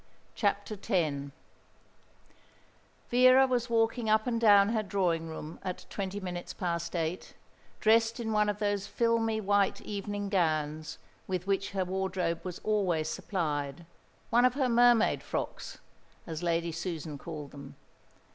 CHAPTER X Vera was walking up and down her drawing room at twenty minutes past eight, dressed in one of those filmy white evening gowns with which her wardrobe was always supplied, one of her mermaid frocks, as Lady Susan called them.